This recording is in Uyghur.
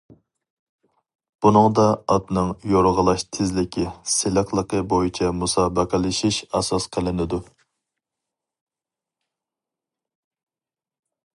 بۇنىڭدا ئاتنىڭ يورغىلاش تېزلىكى، سىلىقلىقى بويىچە مۇسابىقىلىشىش ئاساس قىلىنىدۇ.